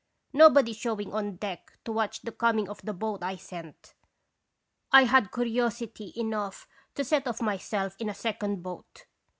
Nobody showing on deck to watch the coming of the boat I sent, I had curiosity enough to set off myself in a second boat.